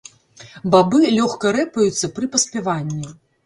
Бабы лёгка рэпаюцца пры паспяванні.